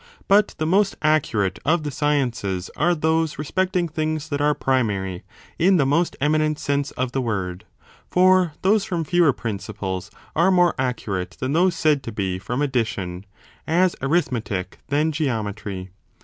But the most accurate of the sciences are those respecting things that are primary, in the most eminent sense of the word; for those from fewer principles are more accu rate than those said to be from addition, as arithmetic than geometry.